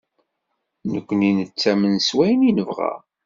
Nekni nettamen s wayen i nebɣa.